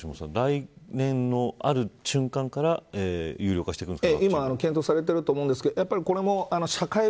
来年のある瞬間から有料化されるんですか。